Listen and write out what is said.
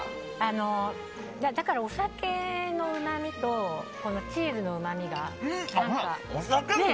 だから、お酒のうまみとチーズのうまみが。